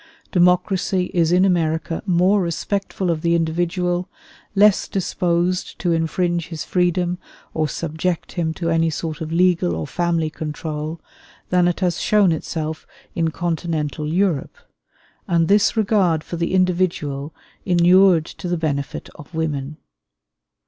Democracy is in America more respectful of the individual, less disposed to infringe his freedom or subject him to any sort of legal or family control, than it has shown itself in Continental Europe; and this regard for the individual inured to the benefit of women.